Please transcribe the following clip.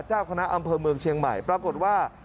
เจ้าคณะอำเภอเมืองเชียงใหม่ปรากฏว่า